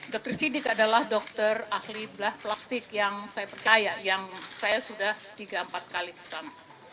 dokter sidik adalah dokter ahli plastik yang saya percaya yang saya sudah tiga empat kali pesan